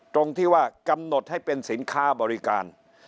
ตรงที่ว่ากำหนดให้เป็นสินค้าบริการ